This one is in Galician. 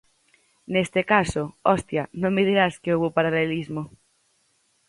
–Neste caso, hostia: non me dirás que houbo paralelismo.